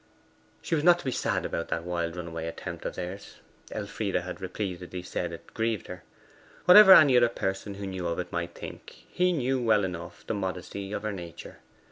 She was not to be sad about that wild runaway attempt of theirs (Elfride had repeatedly said that it grieved her). Whatever any other person who knew of it might think, he knew well enough the modesty of her nature.